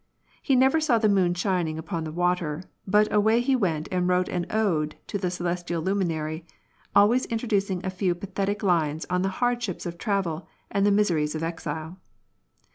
He never saw the moon shining upon the water, but away he went and wrote an ode to the celestial luminary, always introducing a few pathetic lines on the hardships of travel and the miseries of exile.